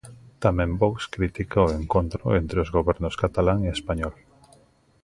Tamén Vox critica o encontro entre os gobernos catalán e español.